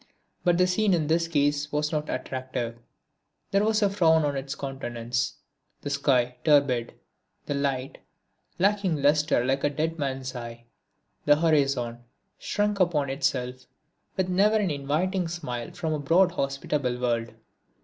But the scene in this case was not attractive. There was a frown on its countenance; the sky turbid; the light lacking lustre like a dead man's eye; the horizon shrunk upon itself; with never an inviting smile from a broad hospitable world.